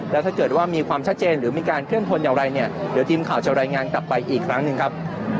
แล้วถ้าเกิดว่ามีความชัดเจนหรือมีการเคลื่อนพลอย่างไรเนี่ยเดี๋ยวทีมข่าวจะรายงานกลับไปอีกครั้งหนึ่งครับ